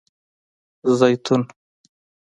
🫒 زیتون